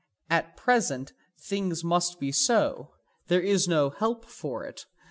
At present things must be so: there is no help for it.